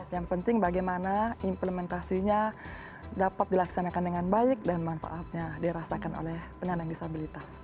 yang penting bagaimana implementasinya dapat dilaksanakan dengan baik dan manfaatnya dirasakan oleh penyandang disabilitas